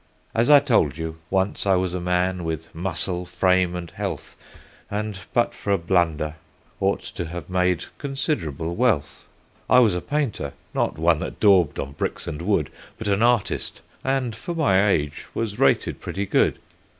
As I told you, once I was a man, with muscle, frame, and health, And but for a blunder ought to have made considerable wealth. "I was a painter not one that daubed on bricks and wood, But an artist, and for my age, was rated pretty good.